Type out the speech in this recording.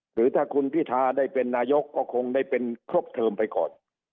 หรือถ้าคุณพิทาได้เป็นนายกก็คงได้เป็นครบเทิมไปก่อน